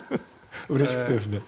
うれしくてですね。